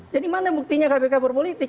jadi mana buktinya kpk berpolitik